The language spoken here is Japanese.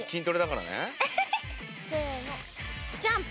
せーのジャンプ。